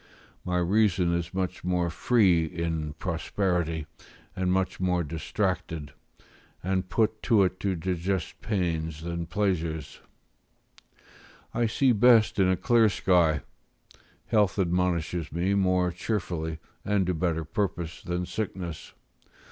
My reason is much more free in prosperity, and much more distracted, and put to't to digest pains than pleasures: I see best in a clear sky; health admonishes me more cheerfully, and to better purpose, than sickness.